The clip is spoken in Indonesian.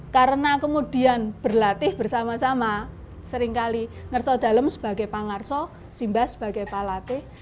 karena kemudian berlatih bersama sama sering kali ngerso dalem sebagai pangarso simba sebagai pak latih